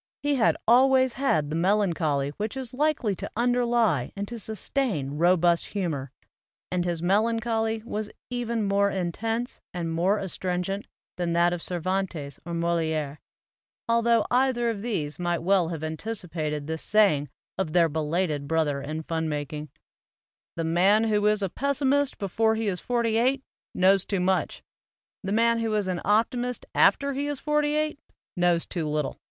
He had always had the melancholy which is likely to underlie and to sustain robust humor, and his no AMERICAN APHORISMS melancholy was even more intense and more astringent than that of Cervantes or Moliere, altho either of these might well have anticipated this saying of their belated brother in fun making: "The man who is a pessimist before he is forty eight knows too much; the man who is an optimist after he is forty eight knows too little.